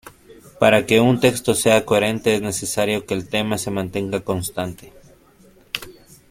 Para que un texto sea coherente es necesario que el tema se mantenga constante.